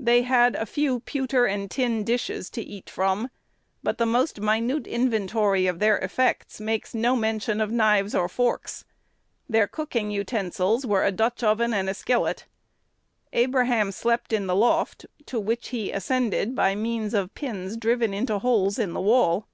They had a few pewter and tin dishes to eat from, but the most minute inventory of their effects makes no mention of knives or forks. Their cooking utensils were a Dutch oven and a skillet. Abraham slept in the loft, to which he ascended by means of pins driven into holes in the wall.